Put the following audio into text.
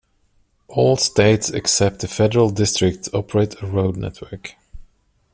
All states except the Federal District operate a road network.